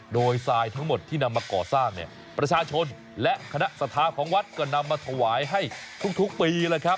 โดยทรายทั้งหมดที่นำมาก่อสร้างประชาชนและคณะสถาของวัดก็นำมาถวายให้ทุกปี